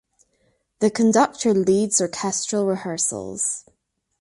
The conductor leads orchestral rehearsals.